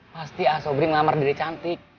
pasti ah sobri ngamar dede cantik